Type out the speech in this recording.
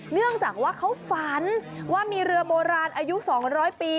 เนื่องจากว่าเขาฝันว่ามีเรือโบราณอายุ๒๐๐ปี